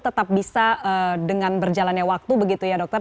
tetap bisa dengan berjalannya waktu begitu ya dokter